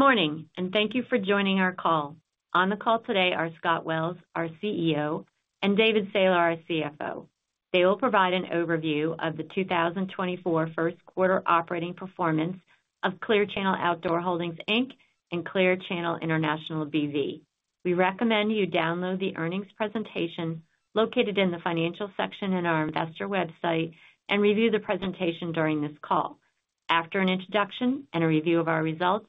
Good morning, and thank you for joining our call. On the call today are Scott Wells, our CEO, and David Sailer, our CFO. They will provide an overview of the 2024 first quarter operating performance of Clear Channel Outdoor Holdings, Inc., and Clear Channel International B.V. We recommend you download the earnings presentation located in the financial section in our investor website and review the presentation during this call. After an introduction and a review of our results,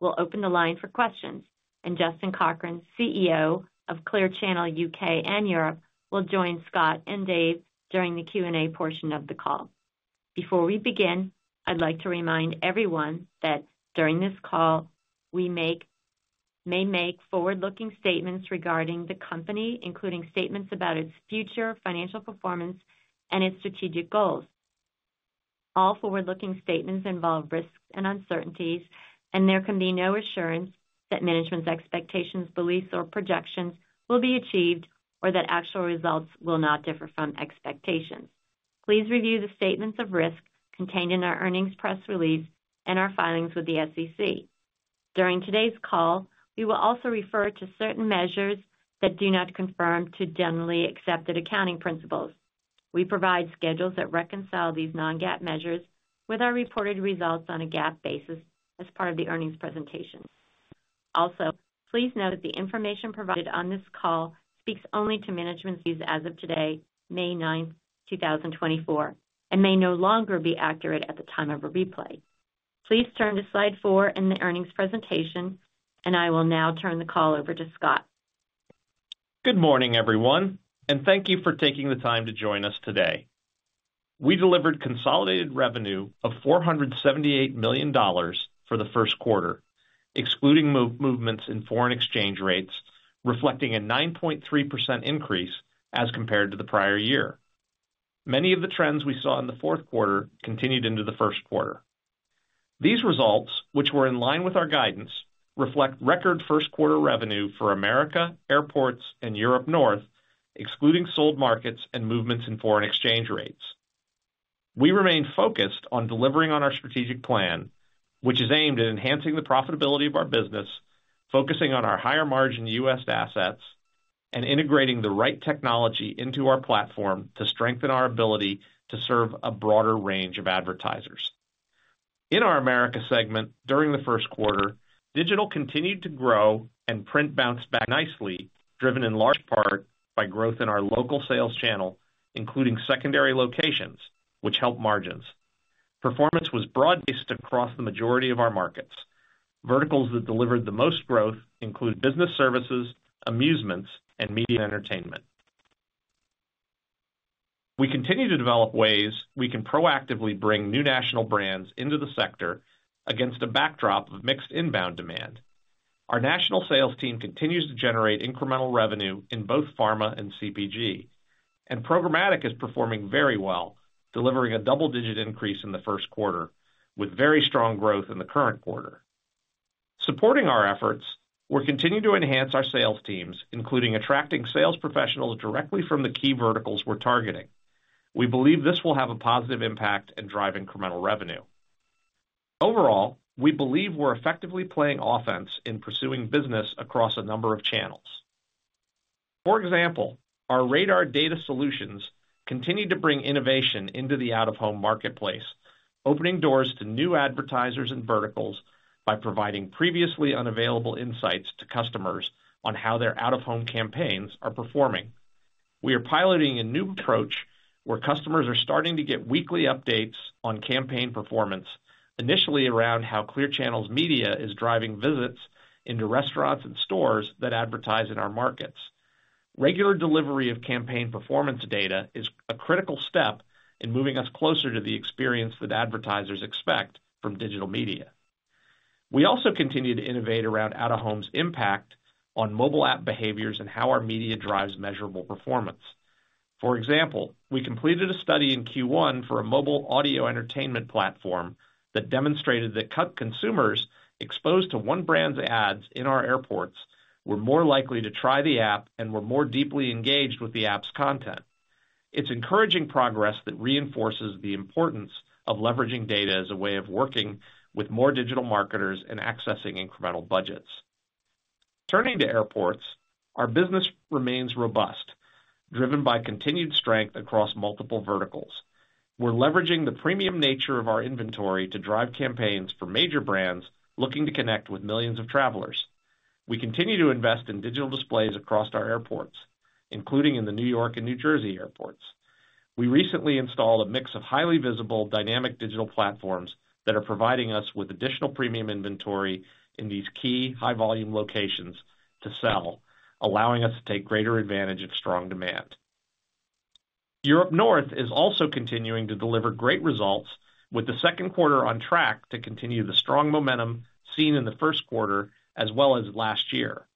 we'll open the line for questions, and Justin Cochrane, CEO of Clear Channel UK and Europe, will join Scott and Dave during the Q&A portion of the call. Before we begin, I'd like to remind everyone that during this call we may make forward-looking statements regarding the company, including statements about its future financial performance and its strategic goals. All forward-looking statements involve risks and uncertainties, and there can be no assurance that management's expectations, beliefs, or projections will be achieved or that actual results will not differ from expectations. Please review the statements of risk contained in our earnings press release and our filings with the SEC. During today's call, we will also refer to certain measures that do not conform to generally accepted accounting principles. We provide schedules that reconcile these non-GAAP measures with our reported results on a GAAP basis as part of the earnings presentation. Also, please note that the information provided on this call speaks only to management's views as of today, May 9th, 2024, and may no longer be accurate at the time of a replay. Please turn to slide four in the earnings presentation, and I will now turn the call over to Scott. Good morning, everyone, and thank you for taking the time to join us today. We delivered consolidated revenue of $478 million for the first quarter, excluding movements in foreign exchange rates, reflecting a 9.3% increase as compared to the prior year. Many of the trends we saw in the fourth quarter continued into the first quarter. These results, which were in line with our guidance, reflect record first quarter revenue for America, Airports, and Europe North, excluding sold markets and movements in foreign exchange rates. We remain focused on delivering on our strategic plan, which is aimed at enhancing the profitability of our business, focusing on our higher margin US assets, and integrating the right technology into our platform to strengthen our ability to serve a broader range of advertisers. In our America segment during the first quarter, digital continued to grow and print bounced back nicely, driven in large part by growth in our local sales channel, including secondary locations, which helped margins. Performance was broad-based across the majority of our markets. Verticals that delivered the most growth include business services, amusements, and media entertainment. We continue to develop ways we can proactively bring new national brands into the sector against a backdrop of mixed inbound demand. Our national sales team continues to generate incremental revenue in both pharma and CPG, and programmatic is performing very well, delivering a double-digit increase in the first quarter, with very strong growth in the current quarter. Supporting our efforts, we're continuing to enhance our sales teams, including attracting sales professionals directly from the key verticals we're targeting. We believe this will have a positive impact and drive incremental revenue. Overall, we believe we're effectively playing offense in pursuing business across a number of channels. For example, our RADAR data solutions continue to bring innovation into the out-of-home marketplace, opening doors to new advertisers and verticals by providing previously unavailable insights to customers on how their out-of-home campaigns are performing. We are piloting a new approach where customers are starting to get weekly updates on campaign performance, initially around how Clear Channel's media is driving visits into restaurants and stores that advertise in our markets. Regular delivery of campaign performance data is a critical step in moving us closer to the experience that advertisers expect from digital media. We also continue to innovate around out-of-home's impact on mobile app behaviors and how our media drives measurable performance. For example, we completed a study in Q1 for a mobile audio entertainment platform that demonstrated that consumers exposed to one brand's ads in our Airports were more likely to try the app and were more deeply engaged with the app's content. It's encouraging progress that reinforces the importance of leveraging data as a way of working with more digital marketers and accessing incremental budgets. Turning to Airports, our business remains robust, driven by continued strength across multiple verticals. We're leveraging the premium nature of our inventory to drive campaigns for major brands looking to connect with millions of travelers. We continue to invest in digital displays across our Airports, including in the New York and New Jersey Airports. We recently installed a mix of highly visible, dynamic digital platforms that are providing us with additional premium inventory in these key, high-volume locations to sell, allowing us to take greater advantage of strong demand. Europe North is also continuing to deliver great results, with the second quarter on track to continue the strong momentum seen in the first quarter as well as last year,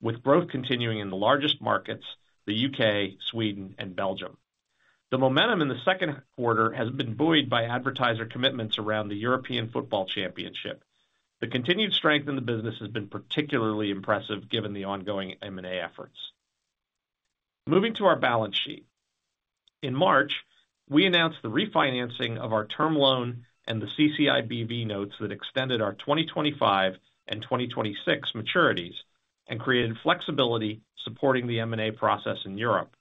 with growth continuing in the largest markets, the UK, Sweden, and Belgium. The momentum in the second quarter has been buoyed by advertiser commitments around the European Football Championship. The continued strength in the business has been particularly impressive given the ongoing M&A efforts. Moving to our balance sheet, in March, we announced the refinancing of our term loan and the CCI BV notes that extended our 2025 and 2026 maturities and created flexibility supporting the M&A process in Europe.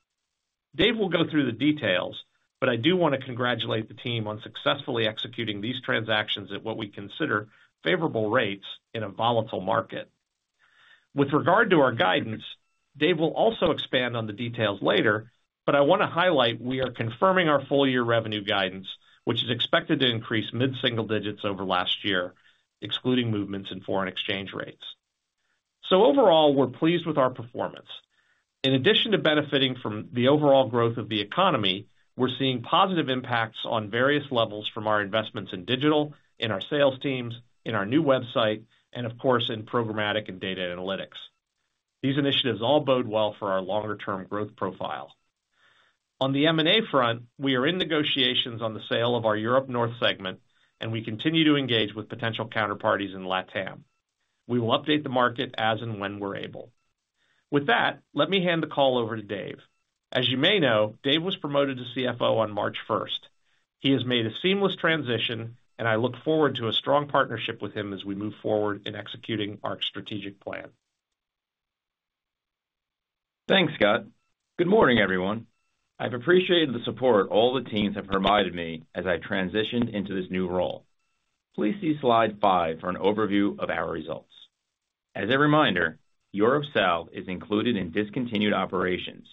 Dave will go through the details, but I do want to congratulate the team on successfully executing these transactions at what we consider favorable rates in a volatile market. With regard to our guidance, Dave will also expand on the details later, but I want to highlight we are confirming our full-year revenue guidance, which is expected to increase mid-single digits over last year, excluding movements in foreign exchange rates. So overall, we're pleased with our performance. In addition to benefiting from the overall growth of the economy, we're seeing positive impacts on various levels from our investments in digital, in our sales teams, in our new website, and of course in Programmatic and data analytics. These initiatives all bode well for our longer-term growth profile. On the M&A front, we are in negotiations on the sale of our Europe North segment, and we continue to engage with potential counterparties in LATAM. We will update the market as and when we're able. With that, let me hand the call over to Dave. As you may know, Dave was promoted to CFO on March 1st. He has made a seamless transition, and I look forward to a strong partnership with him as we move forward in executing our strategic plan. Thanks, Scott. Good morning, everyone. I've appreciated the support all the teams have provided me as I transitioned into this new role. Please see slide five for an overview of our results. As a reminder, Europe South is included in discontinued operations.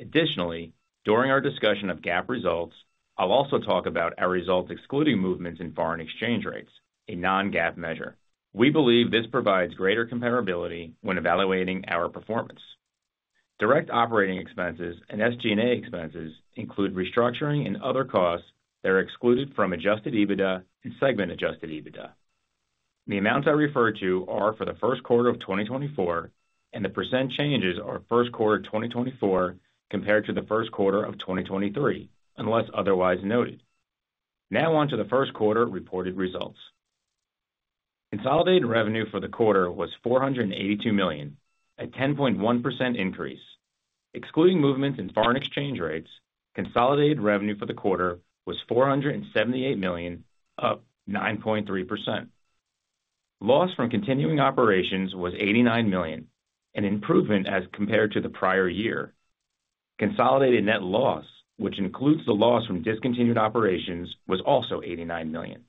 Additionally, during our discussion of GAAP results, I'll also talk about our results excluding movements in foreign exchange rates, a non-GAAP measure. We believe this provides greater comparability when evaluating our performance. Direct operating expenses and SG&A expenses include restructuring and other costs that are excluded from Adjusted EBITDA and segment-adjusted EBITDA. The amounts I referred to are for the first quarter of 2024, and the percent changes are first quarter 2024 compared to the first quarter of 2023, unless otherwise noted. Now on to the first quarter reported results. Consolidated revenue for the quarter was $482 million, a 10.1% increase. Excluding movements in foreign exchange rates, consolidated revenue for the quarter was $478 million, up 9.3%. Loss from continuing operations was $89 million, an improvement as compared to the prior year. Consolidated net loss, which includes the loss from discontinued operations, was also $89 million.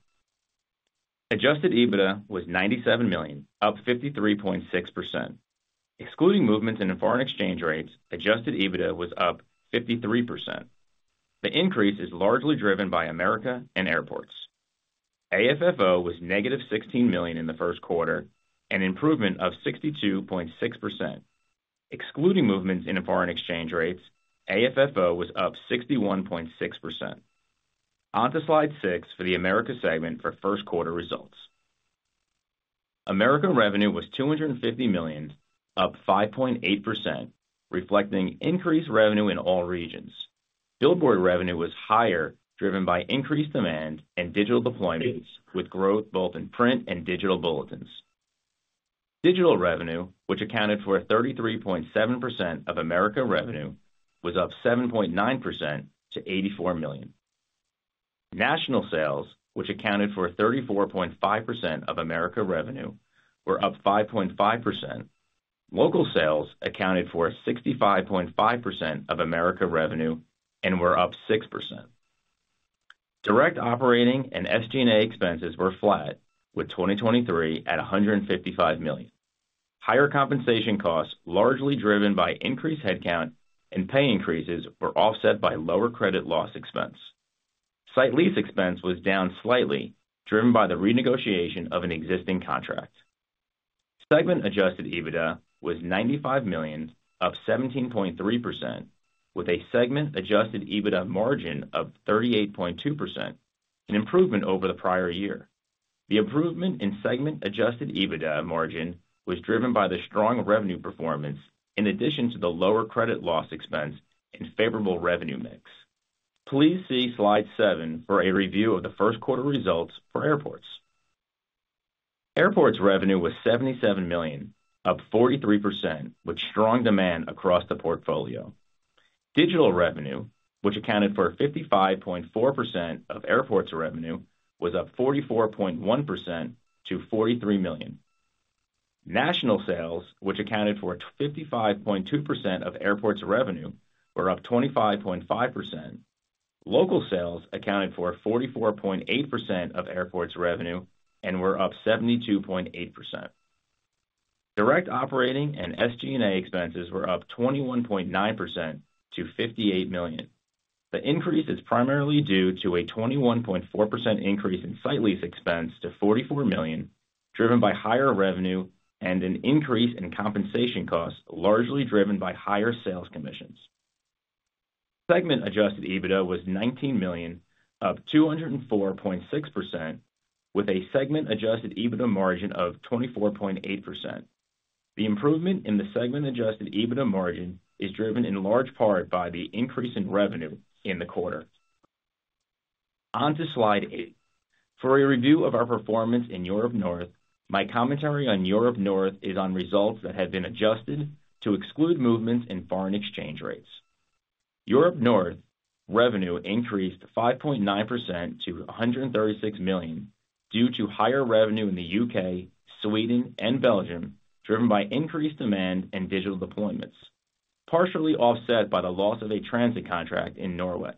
Adjusted EBITDA was $97 million, up 53.6%. Excluding movements in foreign exchange rates, adjusted EBITDA was up 53%. The increase is largely driven by America and Airports. AFFO was -$16 million in the first quarter, an improvement of 62.6%. Excluding movements in foreign exchange rates, AFFO was up 61.6%. On to slide six for the America segment for first quarter results. American revenue was $250 million, up 5.8%, reflecting increased revenue in all regions. Billboard revenue was higher, driven by increased demand and digital deployments, with growth both in print and digital bulletins. Digital revenue, which accounted for 33.7% of America revenue, was up 7.9% to $84 million. National sales, which accounted for 34.5% of America revenue, were up 5.5%. Local sales accounted for 65.5% of America revenue and were up 6%. Direct operating and SG&A expenses were flat, with 2023 at $155 million. Higher compensation costs, largely driven by increased headcount and pay increases, were offset by lower credit loss expense. Site lease expense was down slightly, driven by the renegotiation of an existing contract. Segment-adjusted EBITDA was $95 million, up 17.3%, with a segment-adjusted EBITDA margin of 38.2%, an improvement over the prior year. The improvement in segment-adjusted EBITDA margin was driven by the strong revenue performance in addition to the lower credit loss expense and favorable revenue mix. Please see slide seven for a review of the first quarter results for Airports. Airports revenue was $77 million, up 43%, with strong demand across the portfolio. Digital revenue, which accounted for 55.4% of Airports revenue, was up 44.1% to $43 million. National sales, which accounted for 55.2% of Airports revenue, were up 25.5%. Local sales accounted for 44.8% of Airports revenue and were up 72.8%. Direct operating and SG&A expenses were up 21.9% to $58 million. The increase is primarily due to a 21.4% increase in site lease expense to $44 million, driven by higher revenue and an increase in compensation costs, largely driven by higher sales commissions. Segment-adjusted EBITDA was $19 million, up 204.6%, with a segment-adjusted EBITDA margin of 24.8%. The improvement in the segment-adjusted EBITDA margin is driven in large part by the increase in revenue in the quarter. On to slide eight. For a review of our performance in Europe North, my commentary on Europe North is on results that have been adjusted to exclude movements in foreign exchange rates. Europe North revenue increased 5.9% to $136 million due to higher revenue in the UK, Sweden, and Belgium, driven by increased demand and digital deployments, partially offset by the loss of a transit contract in Norway.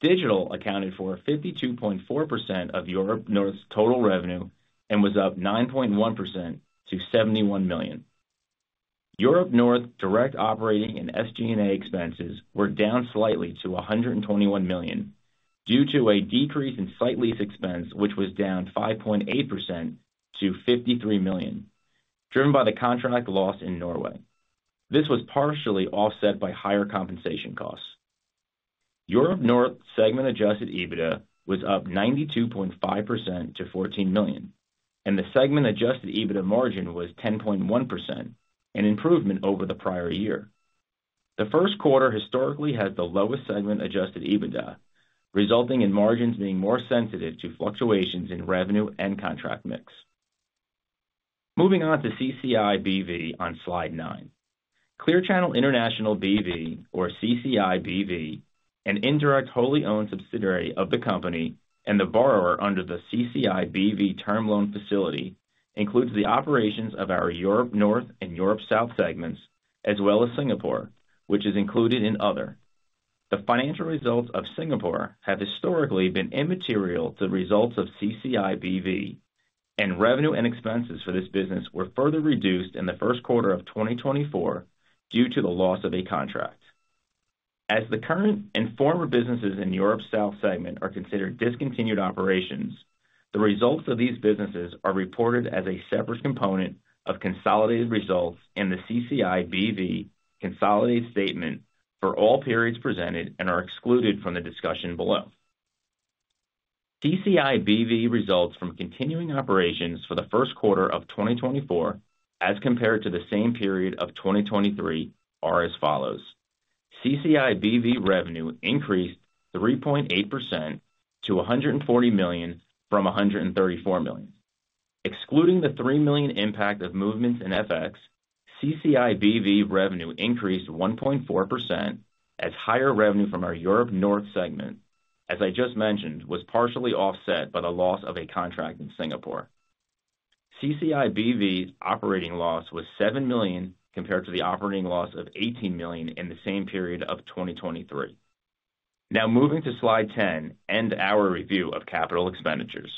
Digital accounted for 52.4% of Europe North's total revenue and was up 9.1% to $71 million. Europe North direct operating and SG&A expenses were down slightly to $121 million due to a decrease in site lease expense, which was down 5.8% to $53 million, driven by the contract loss in Norway. This was partially offset by higher compensation costs. Europe North segment-adjusted EBITDA was up 92.5% to $14 million, and the segment-adjusted EBITDA margin was 10.1%, an improvement over the prior year. The first quarter historically has the lowest segment-adjusted EBITDA, resulting in margins being more sensitive to fluctuations in revenue and contract mix. Moving on to CCI B.V. on slide nine. Clear Channel International B.V., or CCI B.V., an indirect wholly owned subsidiary of the company and the borrower under the CCI B.V. term loan facility, includes the operations of our Europe North and Europe South segments, as well as Singapore, which is included in Other. The financial results of Singapore have historically been immaterial to the results of CCI B.V., and revenue and expenses for this business were further reduced in the first quarter of 2024 due to the loss of a contract. As the current and former businesses in Europe South segment are considered discontinued operations, the results of these businesses are reported as a separate component of consolidated results in the CCI BV consolidated statement for all periods presented and are excluded from the discussion below. CCI BV results from continuing operations for the first quarter of 2024 as compared to the same period of 2023 are as follows. CCI BV revenue increased 3.8% to $140 million from $134 million. Excluding the $3 million impact of movements in FX, CCI BV revenue increased 1.4% as higher revenue from our Europe North segment, as I just mentioned, was partially offset by the loss of a contract in Singapore. CCI BV's operating loss was $7 million compared to the operating loss of $18 million in the same period of 2023. Now moving to slide 10 and our review of capital expenditures.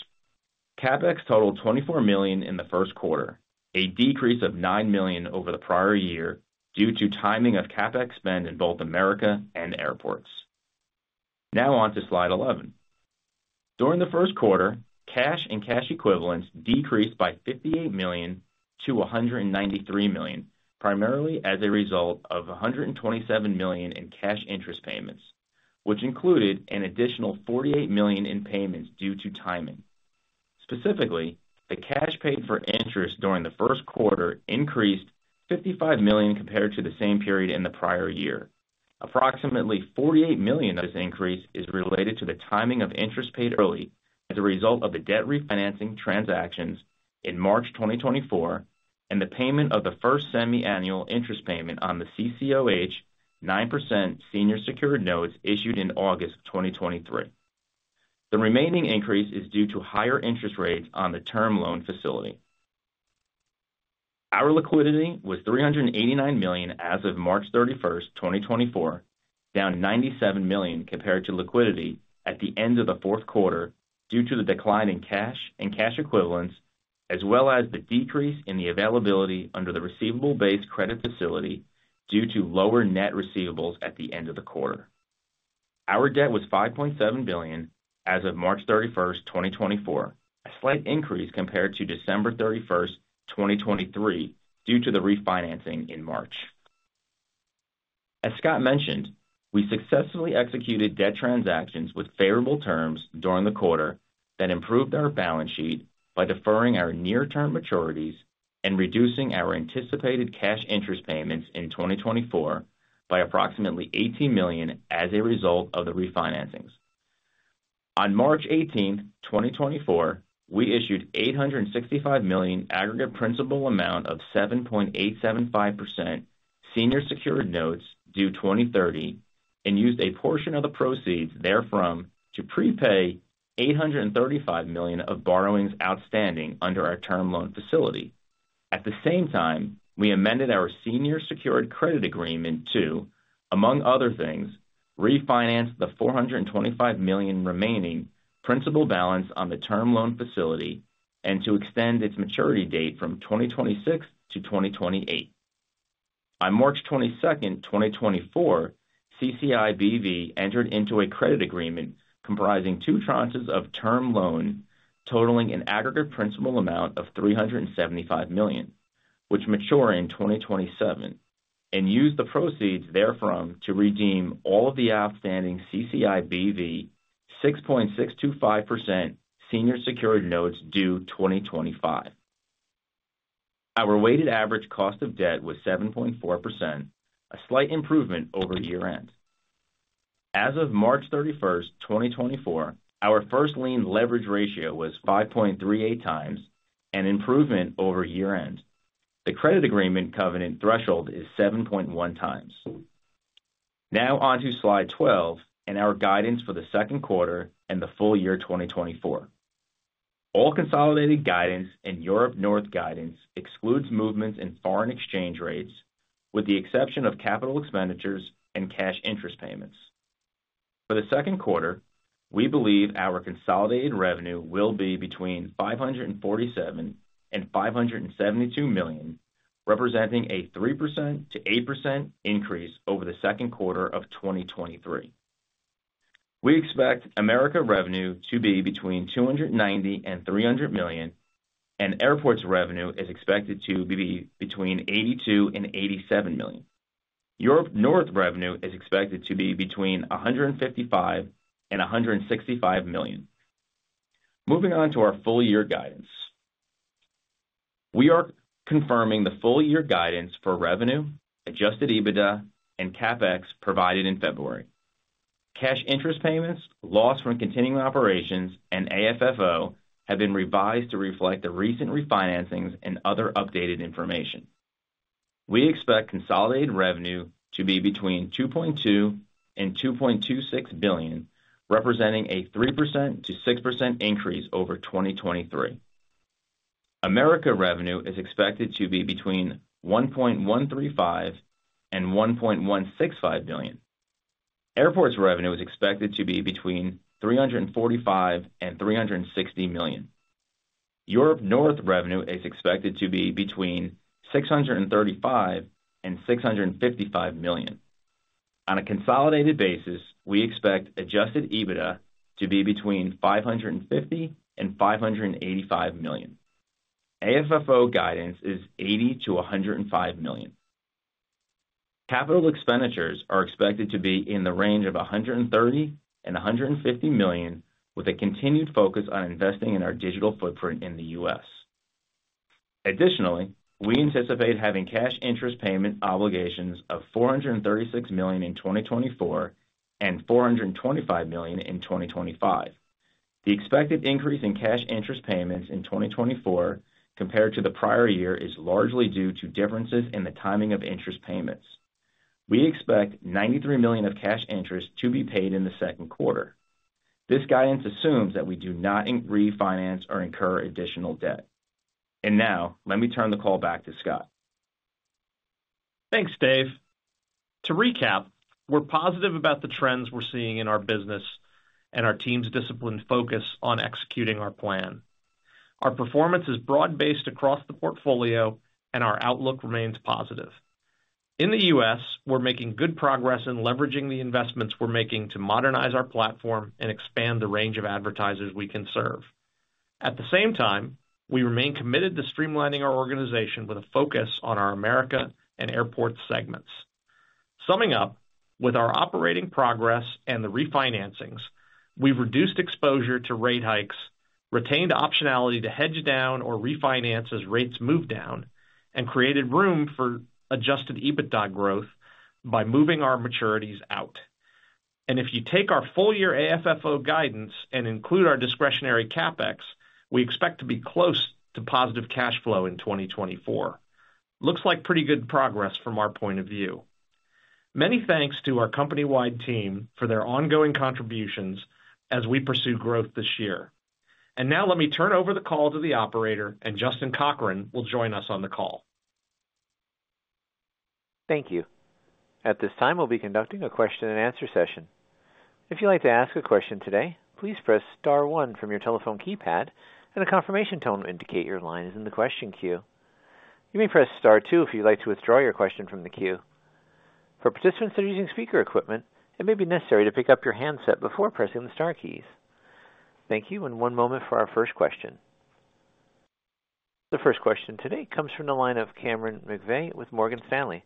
CapEx totaled $24 million in the first quarter, a decrease of $9 million over the prior year due to timing of CapEx spend in both America and Airports. Now on to slide 11. During the first quarter, cash and cash equivalents decreased by $58 million-$193 million, primarily as a result of $127 million in cash interest payments, which included an additional $48 million in payments due to timing. Specifically, the cash paid for interest during the first quarter increased $55 million compared to the same period in the prior year. Approximately $48 million of this increase is related to the timing of interest paid early as a result of the debt refinancing transactions in March 2024 and the payment of the first semi-annual interest payment on the CCOH 9% senior secured notes issued in August 2023. The remaining increase is due to higher interest rates on the term loan facility. Our liquidity was $389 million as of March 31st, 2024, down $97 million compared to liquidity at the end of the fourth quarter due to the decline in cash and cash equivalents, as well as the decrease in the availability under the receivable-based credit facility due to lower net receivables at the end of the quarter. Our debt was $5.7 billion as of March 31st, 2024, a slight increase compared to December 31st, 2023, due to the refinancing in March. As Scott mentioned, we successfully executed debt transactions with favorable terms during the quarter that improved our balance sheet by deferring our near-term maturities and reducing our anticipated cash interest payments in 2024 by approximately $18 million as a result of the refinancing. On March 18th, 2024, we issued $865 million aggregate principal amount of 7.875% senior secured notes due 2030 and used a portion of the proceeds therefrom to prepay $835 million of borrowings outstanding under our term loan facility. At the same time, we amended our senior secured credit agreement to, among other things, refinance the $425 million remaining principal balance on the term loan facility and to extend its maturity date from 2026 to 2028. On March 22nd, 2024, CCI BV entered into a credit agreement comprising two tranches of term loan totaling an aggregate principal amount of $375 million, which matured in 2027, and used the proceeds therefrom to redeem all of the outstanding CCI BV 6.625% senior secured notes due 2025. Our weighted average cost of debt was 7.4%, a slight improvement over year-end. As of March 31st, 2024, our first lien leverage ratio was 5.38x, an improvement over year-end. The credit agreement covenant threshold is 7.1x. Now on to slide 12 and our guidance for the second quarter and the full year 2024. All consolidated guidance and Europe North guidance excludes movements in foreign exchange rates, with the exception of capital expenditures and cash interest payments. For the second quarter, we believe our consolidated revenue will be between $547 million-$572 million, representing a 3%-8% increase over the second quarter of 2023. We expect America revenue to be between $290 million-$300 million, and Airports revenue is expected to be between $82 million-$87 million. Europe North revenue is expected to be between $155 million-$165 million. Moving on to our full year guidance. We are confirming the full year guidance for revenue, Adjusted EBITDA, and CapEx provided in February. Cash interest payments, loss from continuing operations, and AFFO have been revised to reflect the recent refinancing and other updated information. We expect consolidated revenue to be between $2.2 billion-$2.26 billion, representing a 3%-6% increase over 2023. America revenue is expected to be between $1.135 billion-$1.165 billion. Airports revenue is expected to be between $345 million-$360 million. Europe North revenue is expected to be between $635 million-$655 million. On a consolidated basis, we expect Adjusted EBITDA to be between $550 million-$585 million. AFFO guidance is $80 million-$105 million. Capital expenditures are expected to be in the range of $130 million-$150 million, with a continued focus on investing in our digital footprint in the US. Additionally, we anticipate having cash interest payment obligations of $436 million in 2024 and $425 million in 2025. The expected increase in cash interest payments in 2024 compared to the prior year is largely due to differences in the timing of interest payments. We expect $93 million of cash interest to be paid in the second quarter. This guidance assumes that we do not refinance or incur additional debt. Now, let me turn the call back to Scott. Thanks, Dave. To recap, we're positive about the trends we're seeing in our business and our team's disciplined focus on executing our plan. Our performance is broad-based across the portfolio, and our outlook remains positive. In the U.S., we're making good progress in leveraging the investments we're making to modernize our platform and expand the range of advertisers we can serve. At the same time, we remain committed to streamlining our organization with a focus on our America and Airports segments. Summing up, with our operating progress and the refinancings, we've reduced exposure to rate hikes, retained optionality to hedge down or refinance as rates move down, and created room for Adjusted EBITDA growth by moving our maturities out. And if you take our full year AFFO guidance and include our discretionary CapEx, we expect to be close to positive cash flow in 2024. Looks like pretty good progress from our point of view. Many thanks to our company-wide team for their ongoing contributions as we pursue growth this year. Now let me turn over the call to the operator, and Justin Cochrane will join us on the call. Thank you. At this time, we'll be conducting a question-and-answer session. If you'd like to ask a question today, please press star one from your telephone keypad, and the confirmation tone will indicate your line is in the question queue. You may press star two if you'd like to withdraw your question from the queue. For participants that are using speaker equipment, it may be necessary to pick up your handset before pressing the star keys. Thank you, and one moment for our first question. The first question today comes from the line of Cameron McVeigh with Morgan Stanley.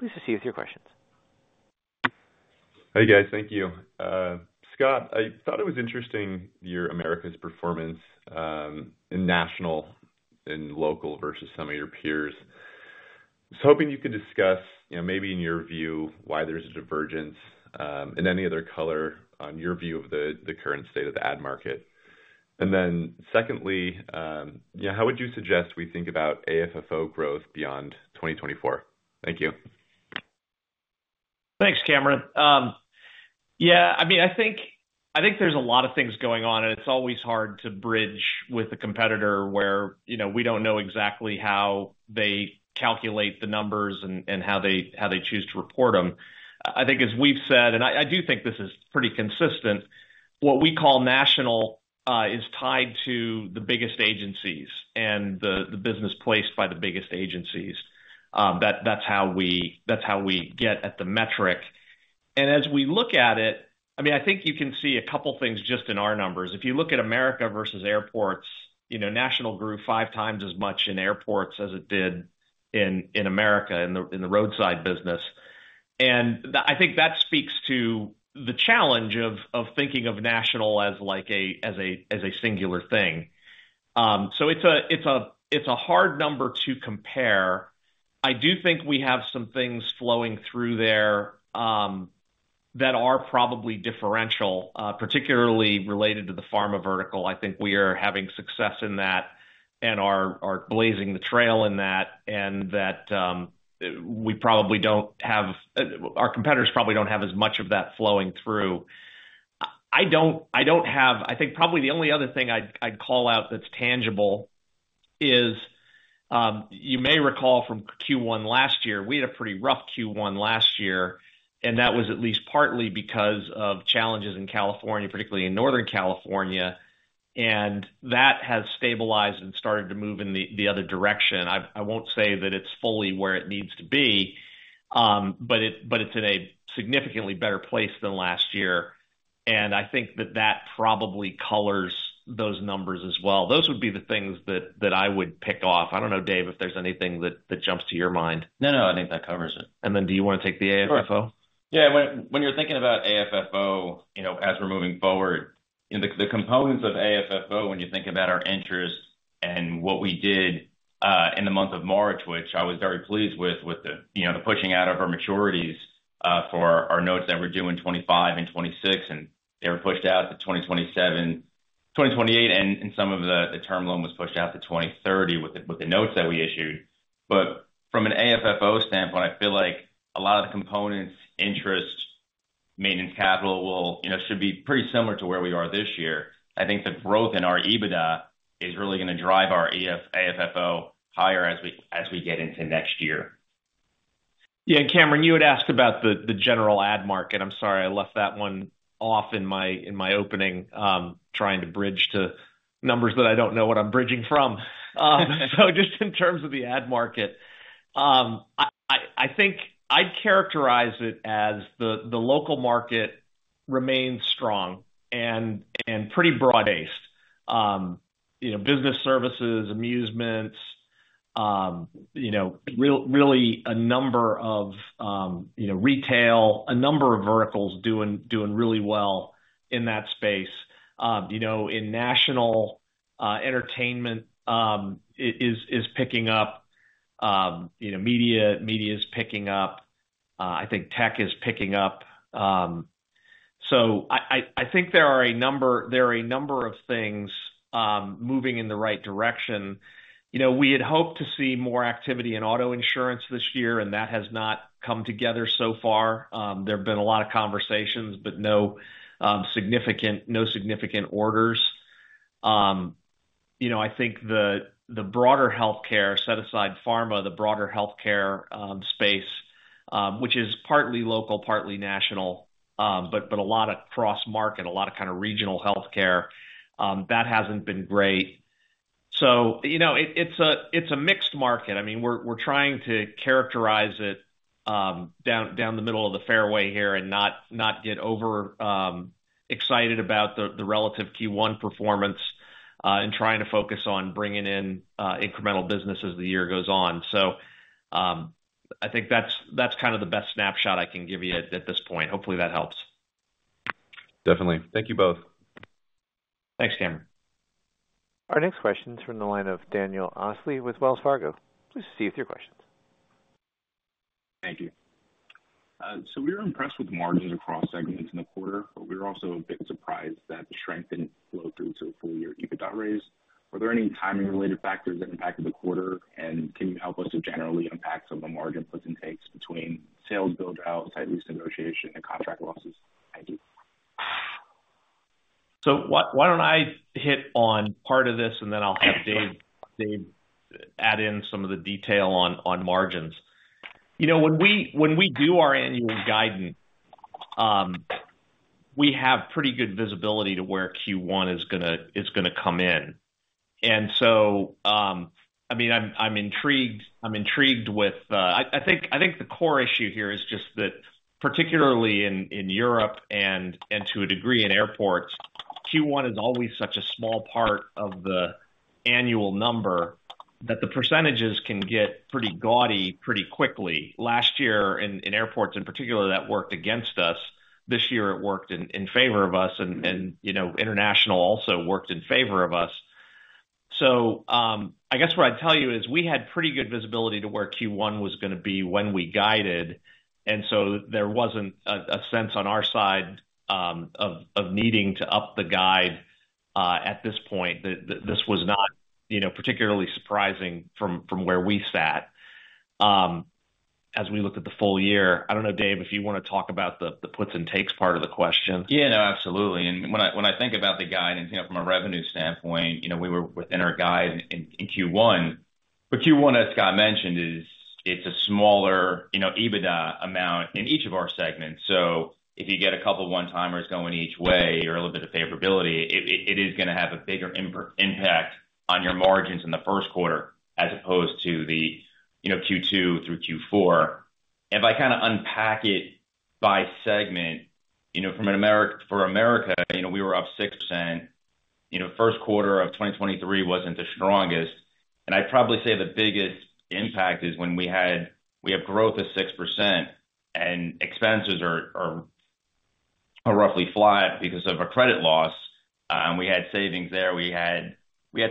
Please proceed with your questions. Hey, guys. Thank you. Scott, I thought it was interesting your America's performance in national and local versus some of your peers. I was hoping you could discuss, maybe in your view, why there's a divergence and any other color on your view of the current state of the ad market. And then secondly, how would you suggest we think about AFFO growth beyond 2024? Thank you. Thanks, Cameron. Yeah, I mean, I think there's a lot of things going on, and it's always hard to bridge with a competitor where we don't know exactly how they calculate the numbers and how they choose to report them. I think, as we've said, and I do think this is pretty consistent, what we call national is tied to the biggest agencies and the business placed by the biggest agencies. That's how we get at the metric. As we look at it, I mean, I think you can see a couple of things just in our numbers. If you look at America versus Airports, national grew five times as much in Airports as it did in America, in the roadside business. I think that speaks to the challenge of thinking of national as a singular thing. It's a hard number to compare. I do think we have some things flowing through there that are probably differential, particularly related to the pharma vertical. I think we are having success in that and are blazing the trail in that, and that we probably don't have our competitors probably don't have as much of that flowing through. I don't have I think probably the only other thing I'd call out that's tangible is you may recall from Q1 last year, we had a pretty rough Q1 last year, and that was at least partly because of challenges in California, particularly in Northern California. And that has stabilized and started to move in the other direction. I won't say that it's fully where it needs to be, but it's in a significantly better place than last year. And I think that that probably colors those numbers as well. Those would be the things that I would pick off. I don't know, Dave, if there's anything that jumps to your mind? No, no. I think that covers it. And then do you want to take the AFFO? Sure. Yeah. When you're thinking about AFFO as we're moving forward, the components of AFFO when you think about our interest and what we did in the month of March, which I was very pleased with, with the pushing out of our maturities for our notes that were due in 2025 and 2026, and they were pushed out to 2028, and some of the term loan was pushed out to 2030 with the notes that we issued. But from an AFFO standpoint, I feel like a lot of the components, interest, maintenance capital, should be pretty similar to where we are this year. I think the growth in our EBITDA is really going to drive our AFFO higher as we get into next year. Yeah. And Cameron, you had asked about the general ad market. I'm sorry I left that one off in my opening, trying to bridge to numbers that I don't know what I'm bridging from. So just in terms of the ad market, I think I'd characterize it as the local market remains strong and pretty broad-based: business services, amusements, really a number of retail, a number of verticals doing really well in that space. In national, entertainment is picking up, media is picking up, I think tech is picking up. So I think there are a number of things moving in the right direction. We had hoped to see more activity in auto insurance this year, and that has not come together so far. There have been a lot of conversations, but no significant orders. I think the broader healthcare, set aside pharma, the broader healthcare space, which is partly local, partly national, but a lot of cross-market, a lot of kind of regional healthcare, that hasn't been great. So it's a mixed market. I mean, we're trying to characterize it down the middle of the fairway here and not get overexcited about the relative Q1 performance and trying to focus on bringing in incremental business as the year goes on. So I think that's kind of the best snapshot I can give you at this point. Hopefully, that helps. Definitely. Thank you both. Thanks, Cameron. Our next question's from the line of Daniel Osley with Wells Fargo. Please proceed with your questions. Thank you. So we were impressed with margins across segments in the quarter, but we were also a bit surprised that the strength didn't flow through to a full-year EBITDA raise. Were there any timing-related factors that impacted the quarter, and can you help us to generally unpack some of the margin puts and takes between sales build-out, site lease negotiation, and contract losses? Thank you. So why don't I hit on part of this, and then I'll have Dave add in some of the detail on margins. When we do our annual guidance, we have pretty good visibility to where Q1 is going to come in. And so, I mean, I'm intrigued with I think the core issue here is just that, particularly in Europe and, to a degree, in Airports, Q1 is always such a small part of the annual number that the percentages can get pretty gaudy pretty quickly. Last year, in Airports in particular, that worked against us. This year, it worked in favor of us, and international also worked in favor of us. So I guess what I'd tell you is we had pretty good visibility to where Q1 was going to be when we guided, and so there wasn't a sense on our side of needing to up the guide at this point. This was not particularly surprising from where we sat as we looked at the full year. I don't know, Dave, if you want to talk about the puts and takes part of the question. Yeah, no, absolutely. When I think about the guidance, from a revenue standpoint, we were within our guide in Q1. But Q1, as Scott mentioned, it's a smaller EBITDA amount in each of our segments. So if you get a couple of one-timers going each way or a little bit of favorability, it is going to have a bigger impact on your margins in the first quarter as opposed to the Q2 through Q4. If I kind of unpack it by segment, for America, we were up 6%. First quarter of 2023 wasn't the strongest. I'd probably say the biggest impact is when we have growth of 6% and expenses are roughly flat because of a credit loss. We had savings there. We had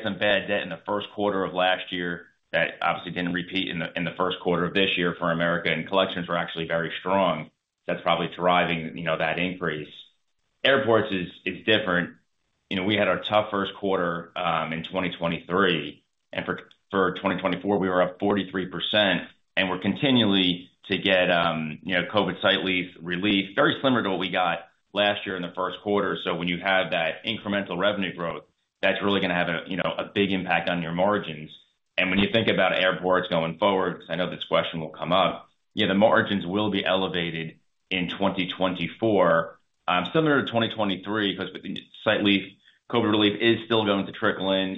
some bad debt in the first quarter of last year that obviously didn't repeat in the first quarter of this year for America, and collections were actually very strong. That's probably driving that increase. Airports is different. We had our tough first quarter in 2023. And for 2024, we were up 43%, and we're continuing to get COVID site lease relief, very similar to what we got last year in the first quarter. So when you have that incremental revenue growth, that's really going to have a big impact on your margins. And when you think about Airports going forward, because I know this question will come up, the margins will be elevated in 2024, similar to 2023 because site lease COVID relief is still going to trickle. And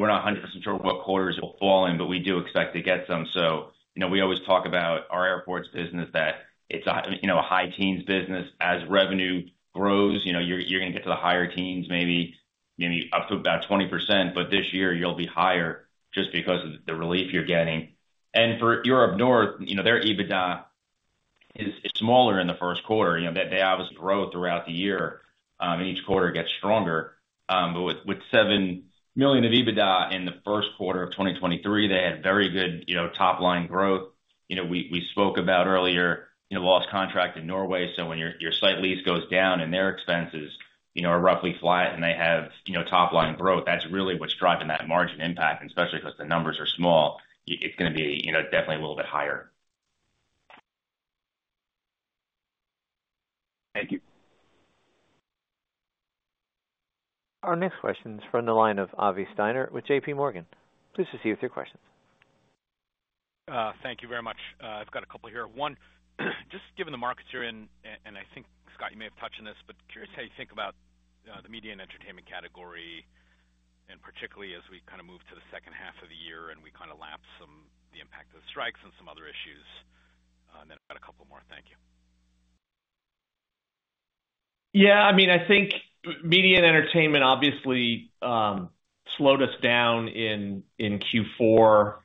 we're not 100% sure what quarters it'll fall in, but we do expect to get some. So we always talk about our Airports business that it's a high teens business. As revenue grows, you're going to get to the higher teens, maybe up about 20%, but this year, you'll be higher just because of the relief you're getting. And for Europe North, their EBITDA is smaller in the first quarter. They obviously grow throughout the year, and each quarter gets stronger. But with $7 million of EBITDA in the first quarter of 2023, they had very good top-line growth. We spoke about earlier lost contract in Norway. So when your site lease goes down and their expenses are roughly flat and they have top-line growth, that's really what's driving that margin impact. And especially because the numbers are small, it's going to be definitely a little bit higher. Thank you. Our next question's from the line of Avi Steiner with J.P. Morgan. Please proceed with your questions. Thank you very much. I've got a couple here. One, just given the markets you're in, and I think, Scott, you may have touched on this, but curious how you think about the media and entertainment category, and particularly as we kind of move to the second half of the year and we kind of lapse some of the impact of the strikes and some other issues. And then I've got a couple more. Thank you. Yeah. I mean, I think media and entertainment obviously slowed us down in Q4.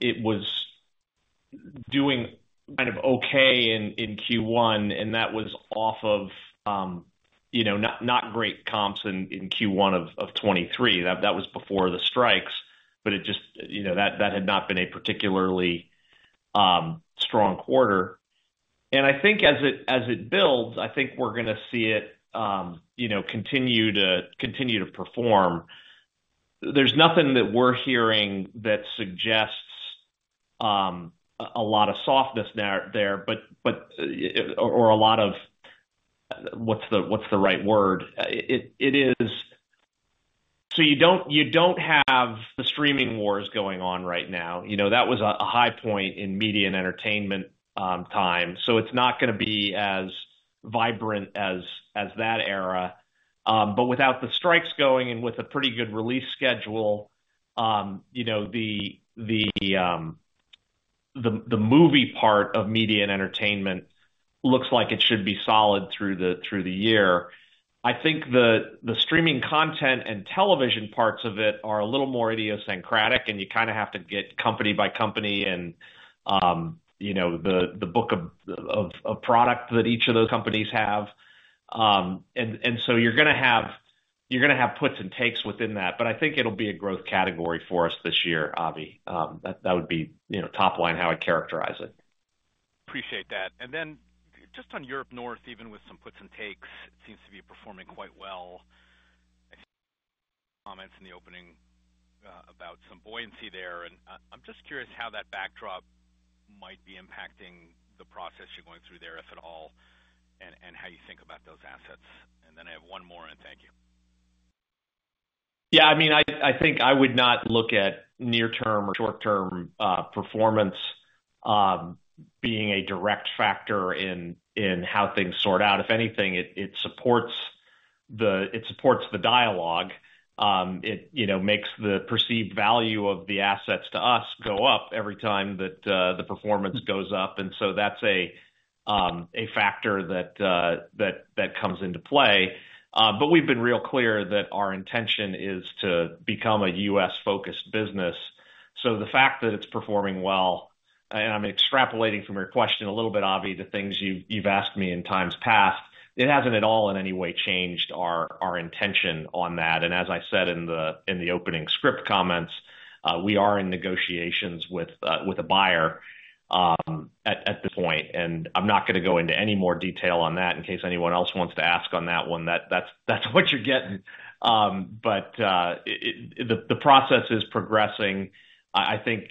It was doing kind of okay in Q1, and that was off of not great comps in Q1 of 2023. That was before the strikes, but that had not been a particularly strong quarter. And I think as it builds, I think we're going to see it continue to perform. There's nothing that we're hearing that suggests a lot of softness there or a lot of what's the right word? So you don't have the streaming wars going on right now. That was a high point in media and entertainment time. So it's not going to be as vibrant as that era. But without the strikes going and with a pretty good release schedule, the movie part of media and entertainment looks like it should be solid through the year. I think the streaming content and television parts of it are a little more idiosyncratic, and you kind of have to get company by company and the book of product that each of those companies have. And so you're going to have puts and takes within that. But I think it'll be a growth category for us this year, Avi. That would be top-line how I'd characterize it. Appreciate that. And then just on Europe North, even with some puts and takes, it seems to be performing quite well. I see comments in the opening about some buoyancy there. And I'm just curious how that backdrop might be impacting the process you're going through there, if at all, and how you think about those assets. And then I have one more, and thank you. Yeah. I mean, I think I would not look at near-term or short-term performance being a direct factor in how things sort out. If anything, it supports the dialogue. It makes the perceived value of the assets to us go up every time that the performance goes up. And so that's a factor that comes into play. But we've been real clear that our intention is to become a U.S.-focused business. So the fact that it's performing well, and I'm extrapolating from your question a little bit, Avi, to things you've asked me in times past, it hasn't at all in any way changed our intention on that. And as I said in the opening script comments, we are in negotiations with a buyer at this point. And I'm not going to go into any more detail on that in case anyone else wants to ask on that one. That's what you're getting. But the process is progressing. I think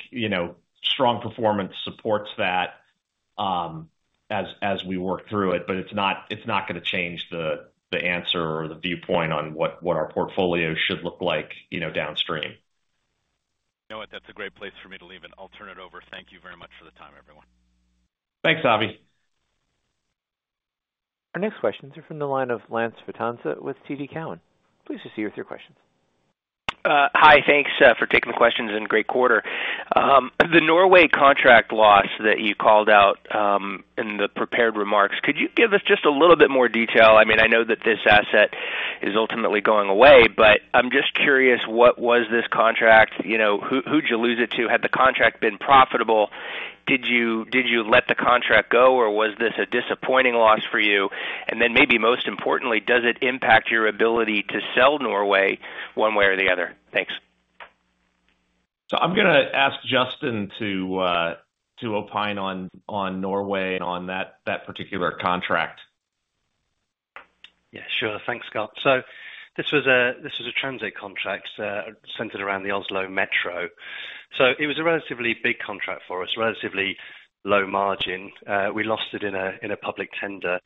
strong performance supports that as we work through it, but it's not going to change the answer or the viewpoint on what our portfolio should look like downstream. You know what? That's a great place for me to leave it. I'll turn it over. Thank you very much for the time, everyone. Thanks, Avi. Our next questions are from the line of Lance Vitanza with TD Cowen. Please proceed with your questions. Hi. Thanks for taking the questions and great quarter. The Norway contract loss that you called out in the prepared remarks, could you give us just a little bit more detail? I mean, I know that this asset is ultimately going away, but I'm just curious, what was this contract? Who'd you lose it to? Had the contract been profitable? Did you let the contract go, or was this a disappointing loss for you? And then maybe most importantly, does it impact your ability to sell Norway one way or the other? Thanks. I'm going to ask Justin to opine on Norway and on that particular contract. Yeah, sure. Thanks, Scott. So this was a transit contract centered around the Oslo Metro. So it was a relatively big contract for us, relatively low margin. We lost it in a public tender.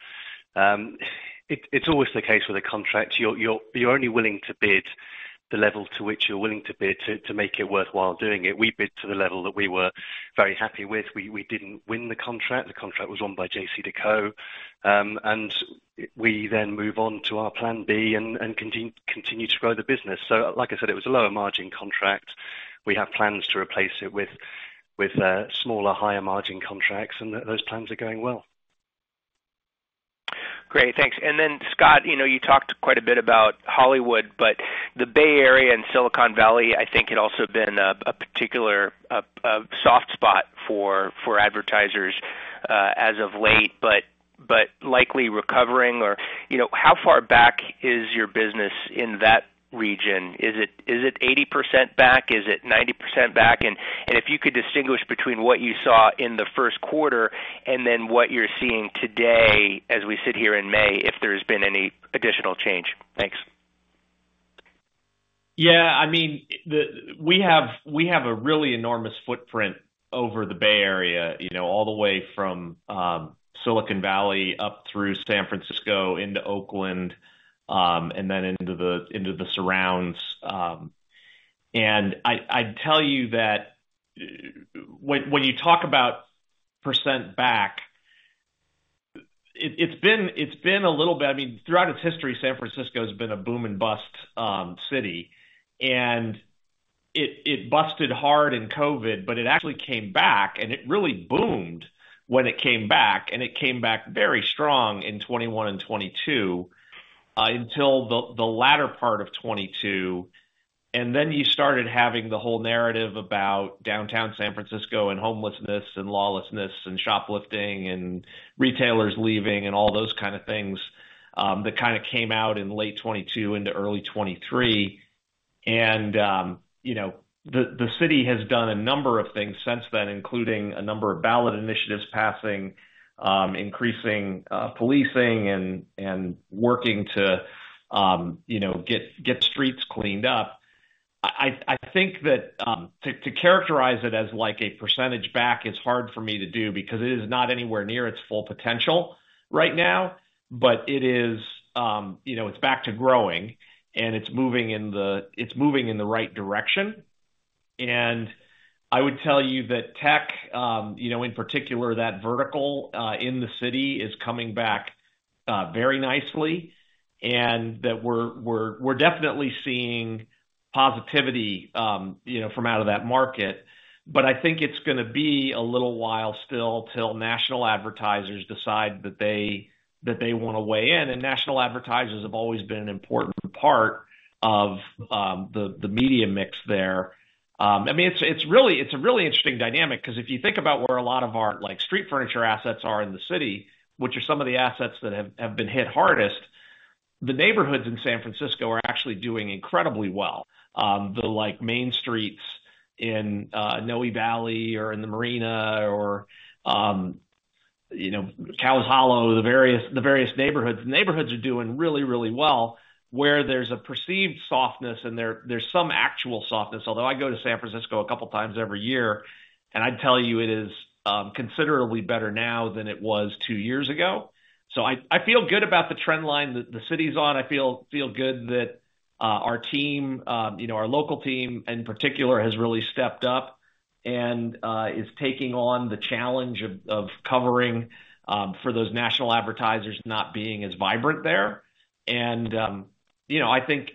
It's always the case with a contract. You're only willing to bid the level to which you're willing to bid to make it worthwhile doing it. We bid to the level that we were very happy with. We didn't win the contract. The contract was won by JCDecaux. And we then move on to our plan B and continue to grow the business. So like I said, it was a lower-margin contract. We have plans to replace it with smaller, higher-margin contracts, and those plans are going well. Great. Thanks. And then, Scott, you talked quite a bit about Hollywood, but the Bay Area and Silicon Valley, I think, had also been a particular soft spot for advertisers as of late, but likely recovering. Or how far back is your business in that region? Is it 80% back? Is it 90% back? And if you could distinguish between what you saw in the first quarter and then what you're seeing today as we sit here in May, if there's been any additional change? Thanks. Yeah. I mean, we have a really enormous footprint over the Bay Area, all the way from Silicon Valley up through San Francisco into Oakland and then into the surrounds. And I'd tell you that when you talk about percent back, it's been a little bit, I mean, throughout its history, San Francisco has been a boom-and-bust city. And it busted hard in COVID, but it actually came back, and it really boomed when it came back. And it came back very strong in 2021 and 2022 until the latter part of 2022. And then you started having the whole narrative about downtown San Francisco and homelessness and lawlessness and shoplifting and retailers leaving and all those kind of things that kind of came out in late 2022 into early 2023. The city has done a number of things since then, including a number of ballot initiatives passing, increasing policing, and working to get the streets cleaned up. I think that to characterize it as a percentage back is hard for me to do because it is not anywhere near its full potential right now, but it's back to growing, and it's moving in the right direction. I would tell you that tech, in particular, that vertical in the city is coming back very nicely, and that we're definitely seeing positivity from out of that market. But I think it's going to be a little while still till national advertisers decide that they want to weigh in. National advertisers have always been an important part of the media mix there. I mean, it's a really interesting dynamic because if you think about where a lot of our street furniture assets are in the city, which are some of the assets that have been hit hardest, the neighborhoods in San Francisco are actually doing incredibly well. The main streets in Noe Valley or in the Marina or Cow Hollow, the various neighborhoods, the neighborhoods are doing really, really well where there's a perceived softness, and there's some actual softness. Although I go to San Francisco a couple of times every year, and I'd tell you it is considerably better now than it was two years ago. So I feel good about the trendline that the city's on. I feel good that our team, our local team in particular, has really stepped up and is taking on the challenge of covering for those national advertisers not being as vibrant there.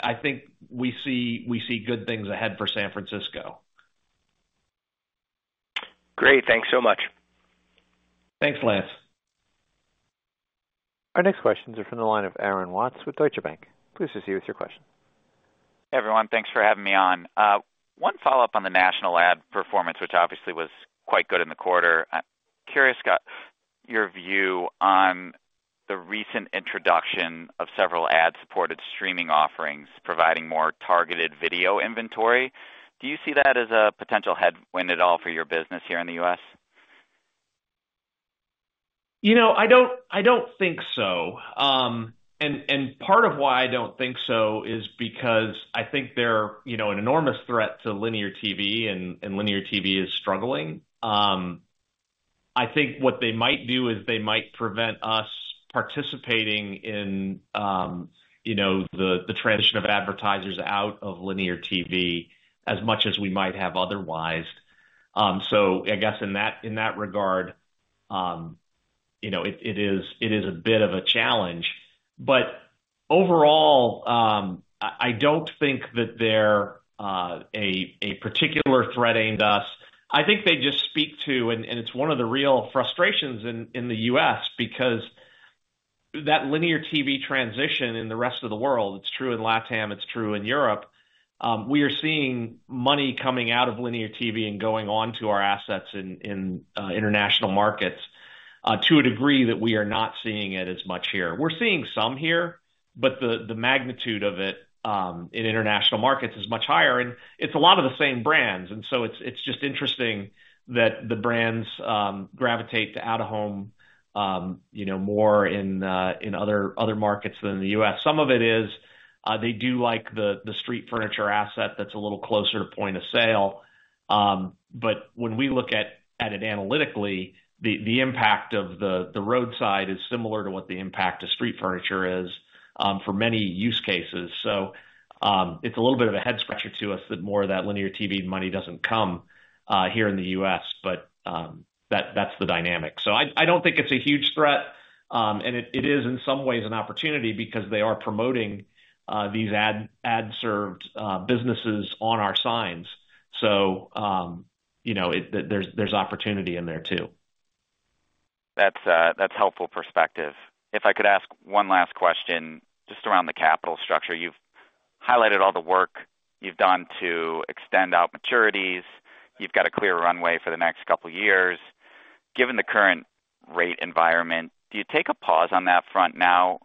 I think we see good things ahead for San Francisco. Great. Thanks so much. Thanks, Lance. Our next questions are from the line of Aaron Watts with Deutsche Bank. Please proceed with your question. Hey, everyone. Thanks for having me on. One follow-up on the national ad performance, which obviously was quite good in the quarter. Curious, Scott, your view on the recent introduction of several ad-supported streaming offerings providing more targeted video inventory. Do you see that as a potential headwind at all for your business here in the U.S.? I don't think so. Part of why I don't think so is because I think they're an enormous threat to linear TV, and linear TV is struggling. I think what they might do is they might prevent us participating in the transition of advertisers out of linear TV as much as we might have otherwise. I guess in that regard, it is a bit of a challenge. Overall, I don't think that they're a particular threat aimed at us. I think they just speak to and it's one of the real frustrations in the U.S. because that linear TV transition in the rest of the world, it's true in LATAM. It's true in Europe. We are seeing money coming out of linear TV and going on to our assets in international markets to a degree that we are not seeing it as much here. We're seeing some here, but the magnitude of it in international markets is much higher. And it's a lot of the same brands. And so it's just interesting that the brands gravitate to out-of-home more in other markets than in the U.S. Some of it is they do like the street furniture asset that's a little closer to point of sale. But when we look at it analytically, the impact of the roadside is similar to what the impact of street furniture is for many use cases. So it's a little bit of a head-scratcher to us that more of that linear TV money doesn't come here in the U.S. But that's the dynamic. So I don't think it's a huge threat. And it is in some ways an opportunity because they are promoting these ad-served businesses on our signs. So there's opportunity in there too. That's helpful perspective. If I could ask one last question just around the capital structure. You've highlighted all the work you've done to extend out maturities. You've got a clear runway for the next couple of years. Given the current rate environment, do you take a pause on that front now?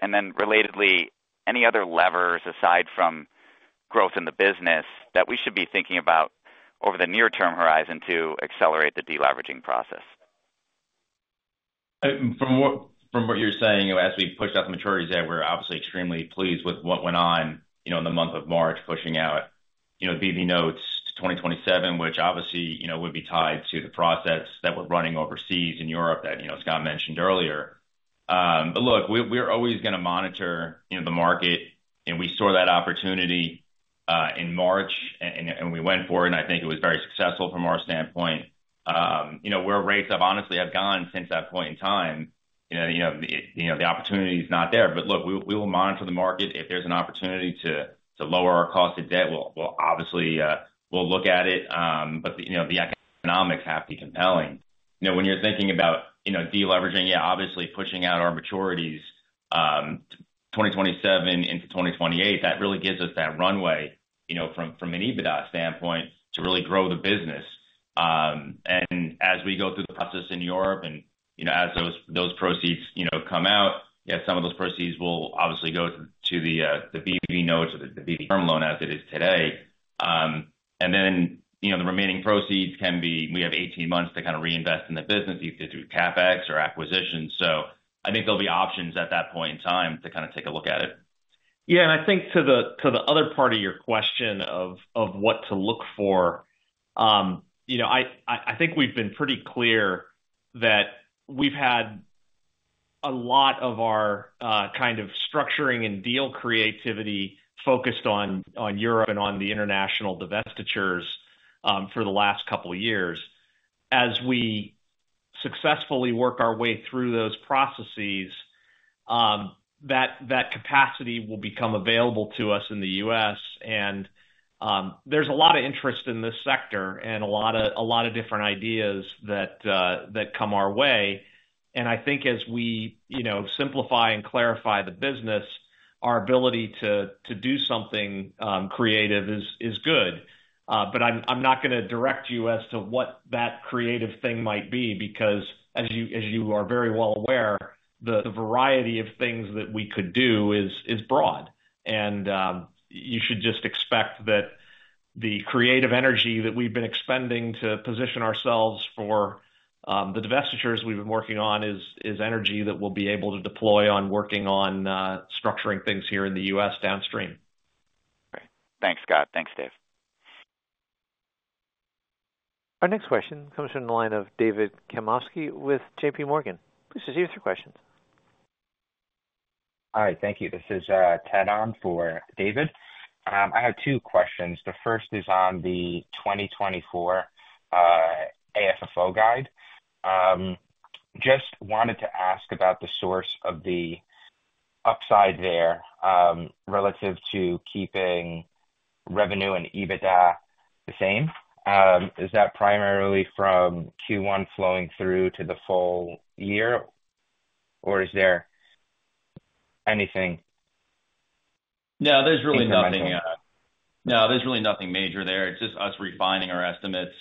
And then relatedly, any other levers aside from growth in the business that we should be thinking about over the near-term horizon to accelerate the deleveraging process? From what you're saying, as we pushed out the maturities there, we're obviously extremely pleased with what went on in the month of March, pushing out BV notes to 2027, which obviously would be tied to the process that we're running overseas in Europe that Scott mentioned earlier. But look, we're always going to monitor the market. We saw that opportunity in March, and we went for it, and I think it was very successful from our standpoint. Where rates have honestly gone since that point in time, the opportunity is not there. But look, we will monitor the market. If there's an opportunity to lower our cost of debt, we'll obviously look at it. But the economics have to be compelling. When you're thinking about deleveraging, yeah, obviously pushing out our maturities 2027 into 2028, that really gives us that runway from an EBITDA standpoint to really grow the business. And as we go through the process in Europe and as those proceeds come out, yeah, some of those proceeds will obviously go to the BV notes or the BV term loan as it is today. And then the remaining proceeds can be we have 18 months to kind of reinvest in the business either through CapEx or acquisitions. So I think there'll be options at that point in time to kind of take a look at it. Yeah. And I think to the other part of your question of what to look for, I think we've been pretty clear that we've had a lot of our kind of structuring and deal creativity focused on Europe and on the international divestitures for the last couple of years. As we successfully work our way through those processes, that capacity will become available to us in the U.S. And there's a lot of interest in this sector and a lot of different ideas that come our way. And I think as we simplify and clarify the business, our ability to do something creative is good. But I'm not going to direct you as to what that creative thing might be because, as you are very well aware, the variety of things that we could do is broad. You should just expect that the creative energy that we've been expending to position ourselves for the divestitures we've been working on is energy that we'll be able to deploy on working on structuring things here in the U.S. downstream. Great. Thanks, Scott. Thanks, Dave. Our next question comes from the line of David Karnovsky with J.P. Morgan. Please proceed with your questions. All right. Thank you. This is Ted on for David. I have two questions. The first is on the 2024 AFFO guide. Just wanted to ask about the source of the upside there relative to keeping revenue and EBITDA the same. Is that primarily from Q1 flowing through to the full year, or is there anything? No, there's really nothing. No, there's really nothing major there. It's just us refining our estimates.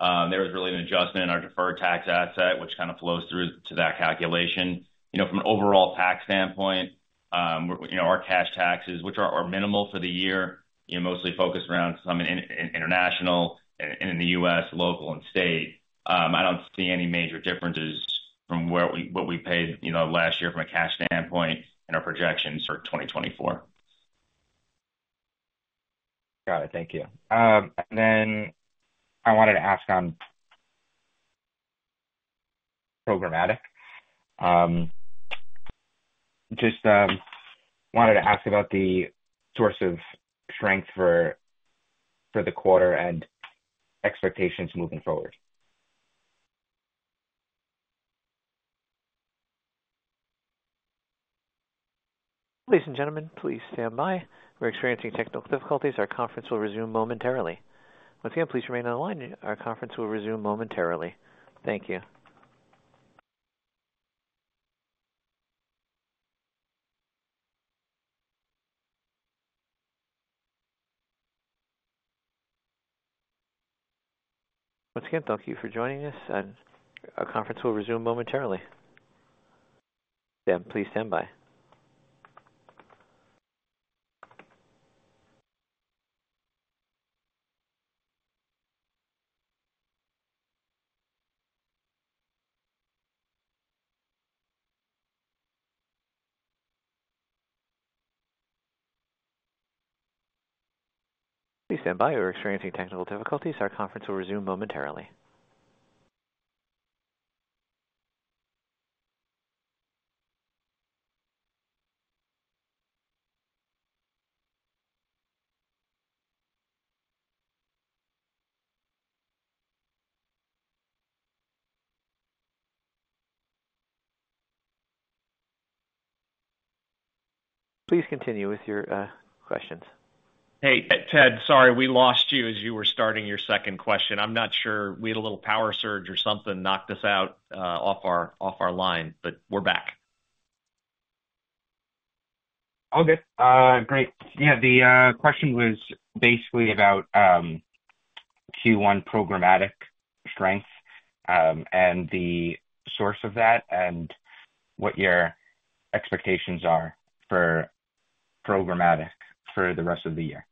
There was really an adjustment in our deferred tax asset, which kind of flows through to that calculation. From an overall tax standpoint, our cash taxes, which are minimal for the year, mostly focused around some in international and in the U.S., local, and state. I don't see any major differences from what we paid last year from a cash standpoint in our projections for 2024. Got it. Thank you. And then I wanted to ask on programmatic. Just wanted to ask about the source of strength for the quarter and expectations moving forward. Ladies and gentlemen, please stand by. We're experiencing technical difficulties. Our conference will resume momentarily. Once again, please remain on the line. Our conference will resume momentarily. Thank you. Once again, thank you for joining us. Our conference will resume momentarily. Please stand by. Please stand by. We're experiencing technical difficulties. Our conference will resume momentarily. Please continue with your questions. Hey, Ted, sorry. We lost you as you were starting your second question. I'm not sure. We had a little power surge or something knocked us out off our line, but we're back. All good. Great. Yeah, the question was basically about Q1 programmatic strength and the source of that and what your expectations are for programmatic for the rest of the year.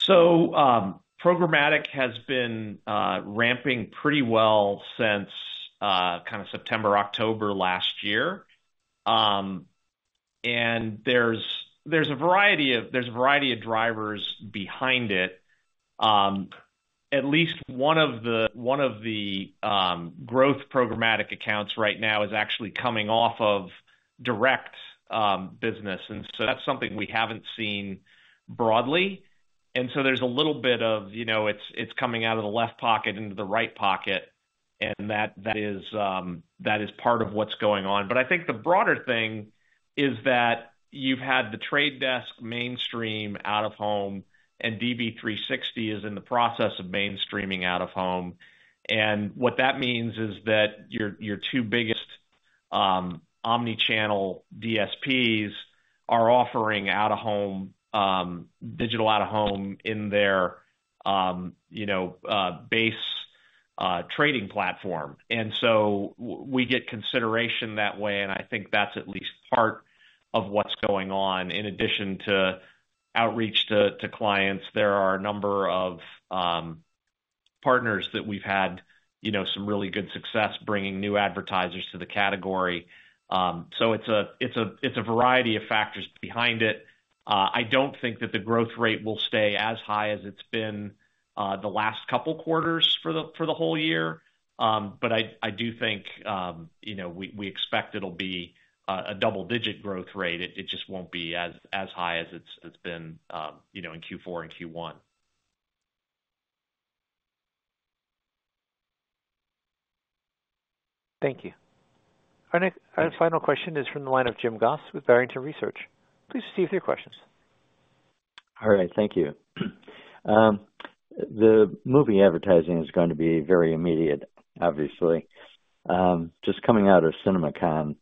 So programmatic has been ramping pretty well since kind of September, October last year. And there's a variety of drivers behind it. At least one of the growth programmatic accounts right now is actually coming off of direct business. And so that's something we haven't seen broadly. And so there's a little bit of it's coming out of the left pocket into the right pocket. And that is part of what's going on. But I think the broader thing is that you've had The Trade Desk mainstream out-of-home, and DV360 is in the process of mainstreaming out-of-home. And what that means is that your two biggest omnichannel DSPs are offering digital out-of-home in their base trading platform. And so we get consideration that way. And I think that's at least part of what's going on. In addition to outreach to clients, there are a number of partners that we've had some really good success bringing new advertisers to the category. So it's a variety of factors behind it. I don't think that the growth rate will stay as high as it's been the last couple of quarters for the whole year. But I do think we expect it'll be a double-digit growth rate. It just won't be as high as it's been in Q4 and Q1. Thank you. Our final question is from the line of Jim Goss with Barrington Research. Please proceed with your questions. All right. Thank you. The movie advertising is going to be very immediate, obviously. Just coming out of CinemaCon,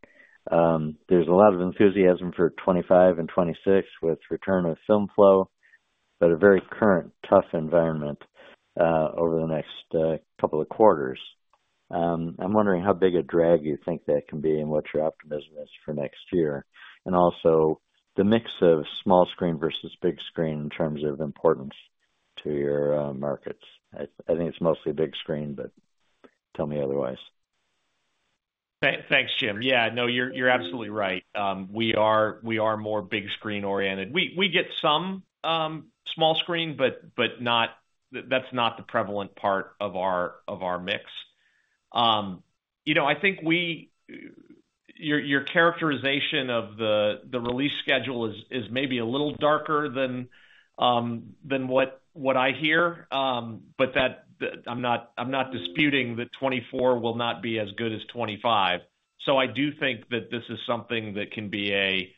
there's a lot of enthusiasm for 2025 and 2026 with return of film flow, but a very current, tough environment over the next couple of quarters. I'm wondering how big a drag you think that can be and what your optimism is for next year. And also the mix of small screen versus big screen in terms of importance to your markets. I think it's mostly big screen, but tell me otherwise. Thanks, Jim. Yeah, no, you're absolutely right. We are more big screen-oriented. We get some small screen, but that's not the prevalent part of our mix. I think your characterization of the release schedule is maybe a little darker than what I hear. But I'm not disputing that 2024 will not be as good as 2025. So I do think that this is something that can be a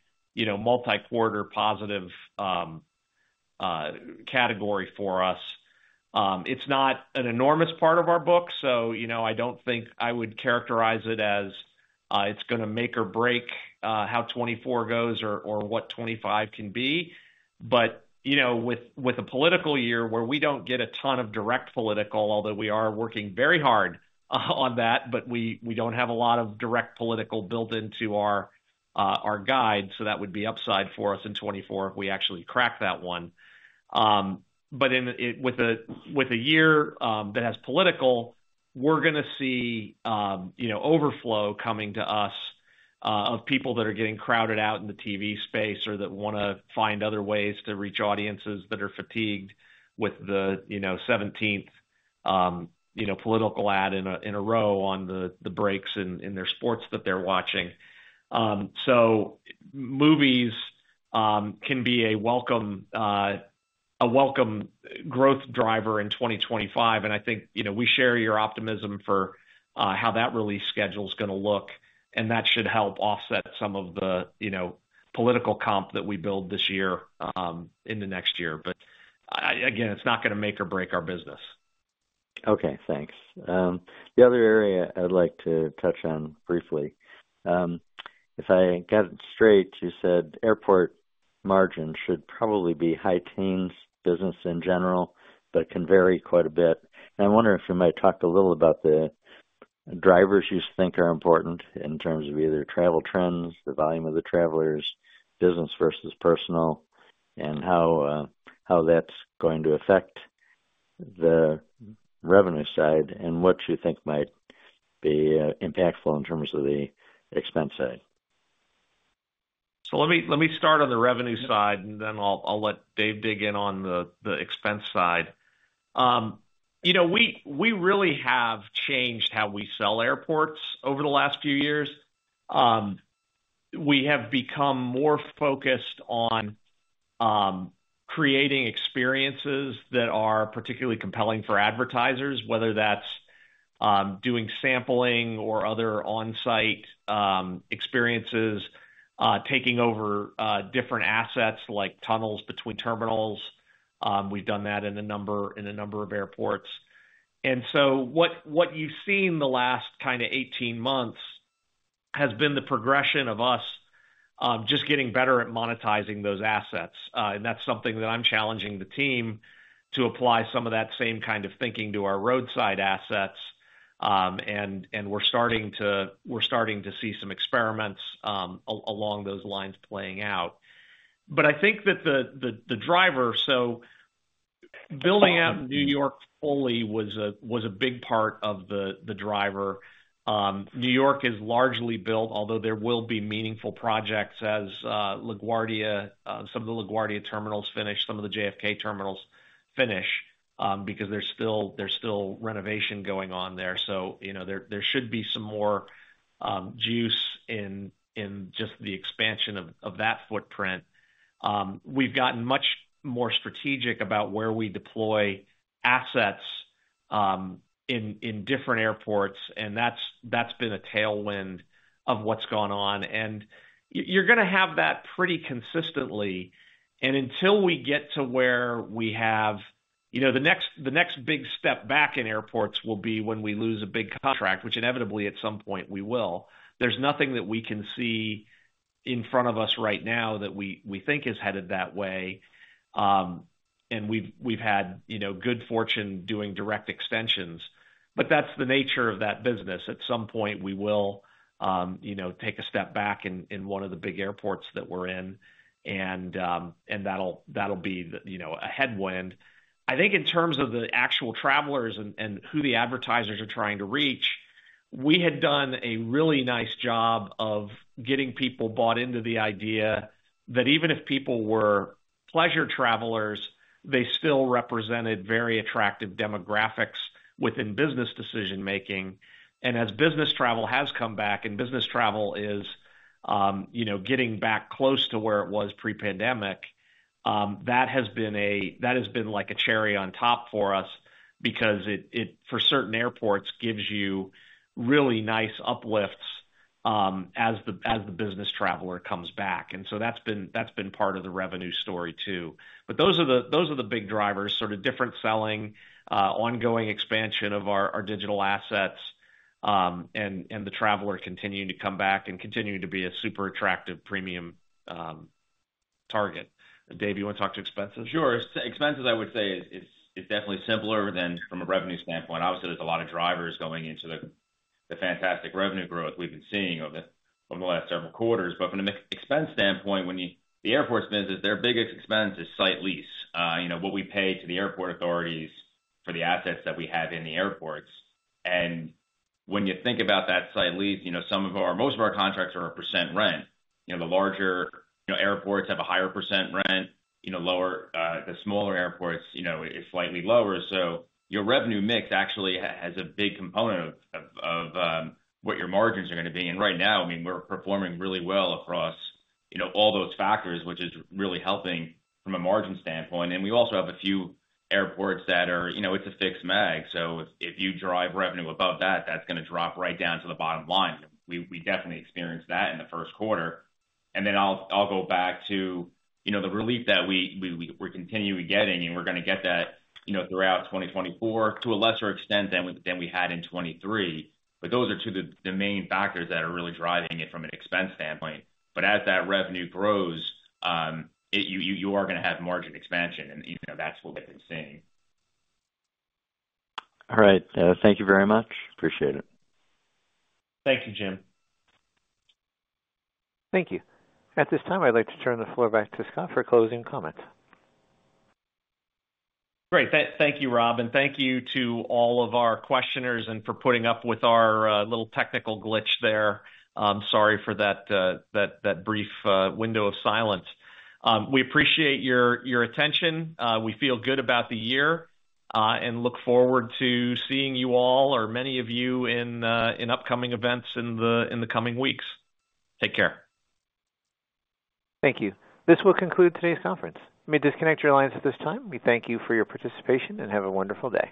multi-quarter positive category for us. It's not an enormous part of our book. So I don't think I would characterize it as it's going to make or break how 2024 goes or what 2025 can be. But with a political year where we don't get a ton of direct political, although we are working very hard on that, but we don't have a lot of direct political built into our guide. So that would be upside for us in 2024 if we actually crack that one. But with a year that has political, we're going to see overflow coming to us of people that are getting crowded out in the TV space or that want to find other ways to reach audiences that are fatigued with the 17th political ad in a row on the breaks in their sports that they're watching. So movies can be a welcome growth driver in 2025. And I think we share your optimism for how that release schedule is going to look. And that should help offset some of the political comp that we build this year into next year. But again, it's not going to make or break our business. Okay. Thanks. The other area I'd like to touch on briefly, if I got it straight, you said airport margin should probably be high-teens business in general, but can vary quite a bit. I wonder if you might talk a little about the drivers you think are important in terms of either travel trends, the volume of the travelers, business versus personal, and how that's going to affect the revenue side and what you think might be impactful in terms of the expense side. So let me start on the revenue side, and then I'll let Dave dig in on the expense side. We really have changed how we sell Airports over the last few years. We have become more focused on creating experiences that are particularly compelling for advertisers, whether that's doing sampling or other on-site experiences, taking over different assets like tunnels between terminals. We've done that in a number of Airports. And so what you've seen the last kind of 18 months has been the progression of us just getting better at monetizing those assets. And that's something that I'm challenging the team to apply some of that same kind of thinking to our roadside assets. And we're starting to see some experiments along those lines playing out. But I think that the driver so building out New York fully was a big part of the driver. New York is largely built, although there will be meaningful projects as some of the LaGuardia terminals finish, some of the JFK terminals finish, because there's still renovation going on there. So there should be some more juice in just the expansion of that footprint. We've gotten much more strategic about where we deploy assets in different Airports. And that's been a tailwind of what's gone on. And you're going to have that pretty consistently. And until we get to where we have the next big step back in Airports will be when we lose a big contract, which inevitably, at some point, we will. There's nothing that we can see in front of us right now that we think is headed that way. And we've had good fortune doing direct extensions. But that's the nature of that business. At some point, we will take a step back in one of the big Airports that we're in. That'll be a headwind. I think in terms of the actual travelers and who the advertisers are trying to reach, we had done a really nice job of getting people bought into the idea that even if people were pleasure travelers, they still represented very attractive demographics within business decision-making. And as business travel has come back and business travel is getting back close to where it was pre-pandemic, that has been like a cherry on top for us because it, for certain Airports, gives you really nice uplifts as the business traveler comes back. And so that's been part of the revenue story, too. But those are the big drivers, sort of different selling, ongoing expansion of our digital assets. The traveler continuing to come back and continuing to be a super attractive premium target. Dave, you want to talk to expenses? Sure. Expenses, I would say, is definitely simpler than from a revenue standpoint. Obviously, there's a lot of drivers going into the fantastic revenue growth we've been seeing over the last several quarters. But from an expense standpoint, the Airports business, their biggest expense is site lease, what we pay to the airport authorities for the assets that we have in the Airports. And when you think about that site lease, some of our, most of our contracts are a percent rent. The larger Airports have a higher percent rent. The smaller Airports, it's slightly lower. So your revenue mix actually has a big component of what your margins are going to be. And right now, I mean, we're performing really well across all those factors, which is really helping from a margin standpoint. And we also have a few Airports that are it's a fixed MAG. If you drive revenue above that, that's going to drop right down to the bottom line. We definitely experienced that in the first quarter. Then I'll go back to the relief that we're continually getting. We're going to get that throughout 2024 to a lesser extent than we had in 2023. Those are two of the main factors that are really driving it from an expense standpoint. As that revenue grows, you are going to have margin expansion. That's what we've been seeing. All right. Thank you very much. Appreciate it. Thank you, Jim. Thank you. At this time, I'd like to turn the floor back to Scott for closing comments. Great. Thank you, Robin. Thank you to all of our questioners and for putting up with our little technical glitch there. Sorry for that brief window of silence. We appreciate your attention. We feel good about the year and look forward to seeing you all or many of you in upcoming events in the coming weeks. Take care. Thank you. This will conclude today's conference. Let me disconnect your lines at this time. We thank you for your participation and have a wonderful day.